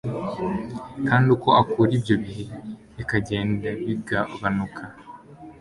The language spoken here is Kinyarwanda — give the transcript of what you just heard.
kandi uko akura ibyo bihe bikagenda bigabanuka